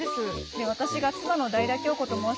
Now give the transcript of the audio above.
で私が妻の代田京子と申します。